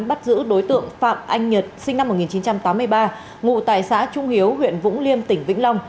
bắt giữ đối tượng phạm anh nhật sinh năm một nghìn chín trăm tám mươi ba ngụ tại xã trung hiếu huyện vũng liêm tỉnh vĩnh long